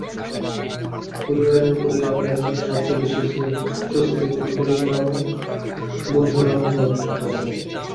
পরিবারের পরেই আমরা যেন সবচেয়ে বেশি স্বস্তিবোধ করি বন্ধু নামক মানুষটার কাছে।